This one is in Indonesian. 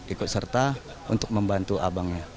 ikut serta untuk membantu abangnya